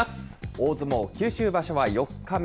大相撲九州場所は４日目。